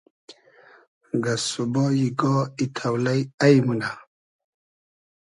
گئسسوبای گا ای تۆلݷ اݷ مونۂ